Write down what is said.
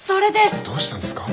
どうしたんですか？